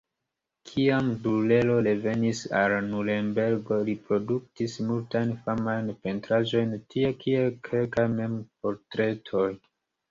Kiam Durero revenis al Nurenbergo li produktis multajn famajn pentraĵojn tie, kiel kelkaj mem-portretoj.